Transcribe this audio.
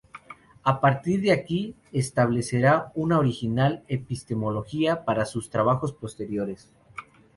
A partir de aquí establecerá una original epistemología para sus trabajos posteriores.